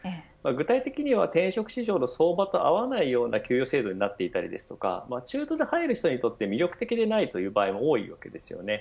具体的には転職市場の相場と合わないような給与制度になっていたり中途で入る人にとって魅力的でない場合も多いわけです。